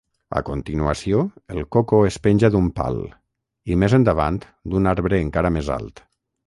A continuació, el coco es penja d'un pal i, més endavant, d'un arbre encara més alt.